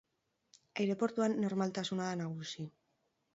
Aireportuan normaltasuna da nagusi.